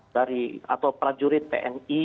dari atau prajurit tni